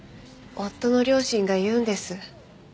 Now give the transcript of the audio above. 夫の両親が言うんです。